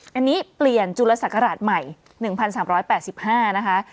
อันนี้เปลี่ยนจุลศักราชใหม่๑๓๘๕นะคะ